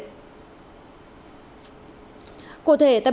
cảm ơn các bạn đã theo dõi và hẹn gặp lại